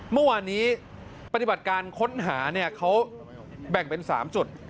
เมื่อวานนี้ปฏิบัติการค้นหาเขาแบ่งเป็น๓จุด